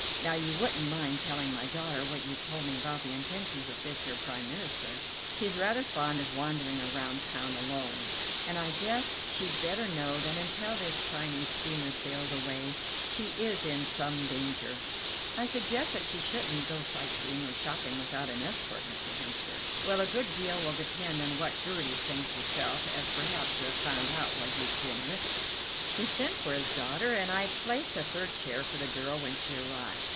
Now, you wouldn't mind telling my daughter what you've told me about the intentions of this here Prime Minister? She's rather fond of wandering around town alone, and I guess she'd better know that until this Chinese steamer sails away she is in some danger." "I suggest that she shouldn't go sightseeing or shopping without an escort, Mr. Hemster." "Well, a good deal will depend on what Gertie thinks herself, as perhaps you have found out while you've been with us." He sent for his daughter, and I placed a third chair for the girl when she arrived.